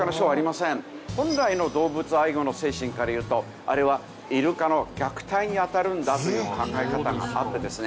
本来の動物愛護の精神からいうとあれはイルカの虐待にあたるんだという考え方があってですね